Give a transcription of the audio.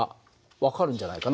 分かるんじゃないかな。